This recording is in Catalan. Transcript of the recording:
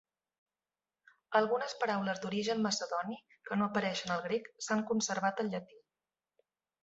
Algunes paraules d'origen macedoni que no apareixen al grec s'han conservat al llatí.